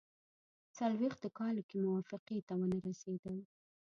څلوېښتو کالو کې موافقې ته ونه رسېدل.